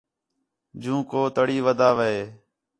جوں کو تڑی ودا وے